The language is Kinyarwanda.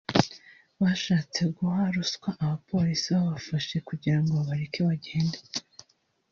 bashatse guha ruswa abapolisi babafashe kugira ngo babareke bagende